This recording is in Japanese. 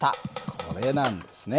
これなんですね。